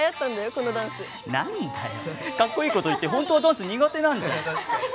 このダンス何だよカッコいいこと言ってホントはダンス苦手なんじゃん